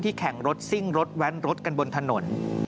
แข่งรถซิ่งรถแว้นรถกันบนถนน